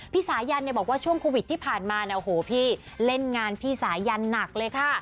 พี่สายันบอกว่าช่วงโควิดที่ผ่านมานะโหพี่เล่นงานพี่สายันนักเลยค่ะ